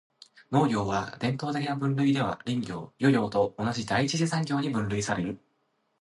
農業は、伝統的な分類では林業・漁業と同じ第一次産業に分類される。